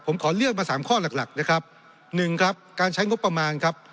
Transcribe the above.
ผมขอเลือกมาสามข้อหลักหลักนะครับหนึ่งครับการใช้งบประมาณครับ